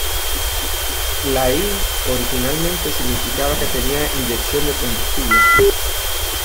La 'i', originalmente, significaba que tenía inyección de combustible.